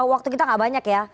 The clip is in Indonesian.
waktu kita gak banyak ya